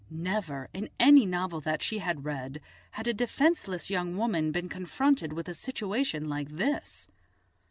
Never, in any novel that she had read, had a defenceless young woman been confronted with a situation like this.